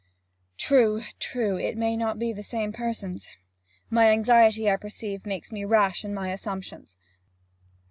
'True, true. They may not be the same persons. My anxiety, I perceive, makes me rash in my assumptions!'